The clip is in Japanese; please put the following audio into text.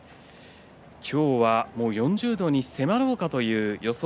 今日は４０度に迫ろうかという予想